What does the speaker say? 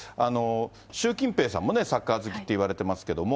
習近平さんもね、サッカー好きっていわれてますけども。